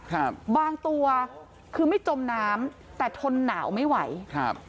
ครับบางตัวคือไม่จมน้ำแต่ทนหนาวไม่ไหวครับ